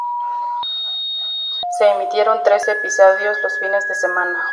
Se emitieron trece episodios los fines de semana.